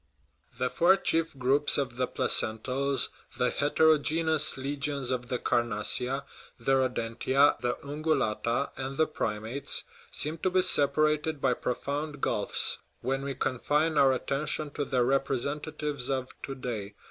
The four chief groups of the placentals, the heterogeneous legions of the carnassia, the rodentia, the ungulata, and the primates, seem to be separated by profound gulfs, when we confine our attention to their representatives of to day.